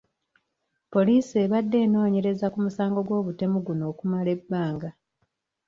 Poliisi ebadde enoonyereza ku musango gw'obutemu guno okumala ebbanga.